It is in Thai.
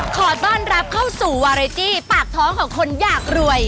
ขอต้อนรับเข้าสู่วาเรตี้ปากท้องของคนอยากรวย